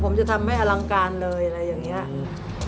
ผมจะทำให้อลังการเลยอะไรอย่างเงี้ยอืม